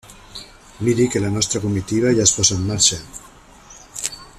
-Miri que la nostra comitiva ja es posa en marxa…